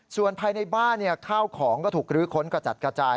ส่วนภายในบ้านข้าวของก็ถูกรื้อค้นกระจัดกระจาย